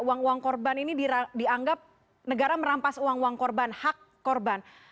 uang uang korban ini dianggap negara merampas uang uang korban hak korban